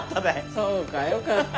そうかよかった。